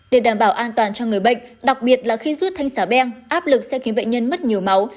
để đảm bảo an toàn cho người bệnh đặc biệt là khi rút thanh xả beng áp lực sẽ khiến bệnh nhân mất nhiều máu